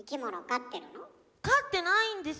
飼ってないんです。